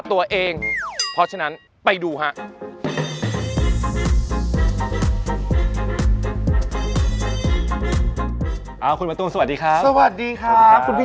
สวัสดีครับคุณพี่ชื่ออะไรคะเนี่ย